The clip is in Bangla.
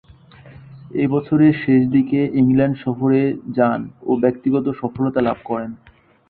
ঐ বছরের শেষদিকে ইংল্যান্ড সফরে যান ও ব্যক্তিগত সফলতা লাভ করেন।